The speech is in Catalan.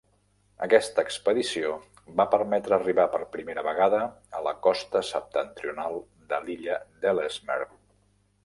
Aquesta expedició va permetre arribar per primera vegada a la costa septentrional de l'illa d'Ellesmere.